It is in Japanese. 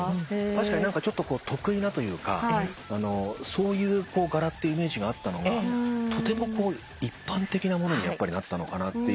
確かにちょっと特異なというかそういう柄っていうイメージがあったのがとても一般的なものになったのかなっていう。